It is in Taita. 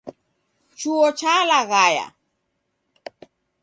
Chuo chalaghaya.